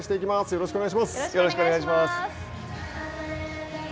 よろしくお願いします。